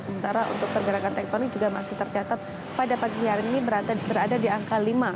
sementara untuk pergerakan tektonik juga masih tercatat pada pagi hari ini berada di angka lima